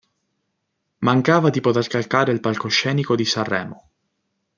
Mancava di poter calcare il palcoscenico di Sanremo.